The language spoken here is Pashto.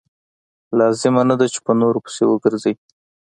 لازمه نه ده چې په نورو خبرو پسې وګرځئ.